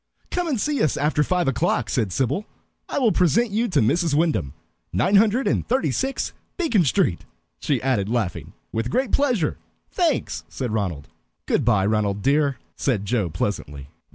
"Come and see us after five o'clock," said Sybil. "I will present you to Mrs. Wyndham. Nine hundred and thirty six, Beacon Street," she added, laughing. "With great pleasure thanks," said Ronald. "Good by, Ronald dear," said Joe pleasantly.